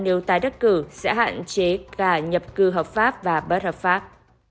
nếu tái đắc cử sẽ hạn chế cả nhập cư hợp pháp và bất hợp pháp